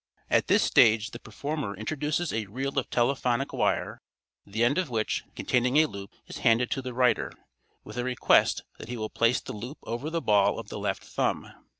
At this stage the performer introduces a reel of telephonic wire, the end of which, containing a loop, is handed to the writer, with a request that he will place the loop over the ball of the left thumb.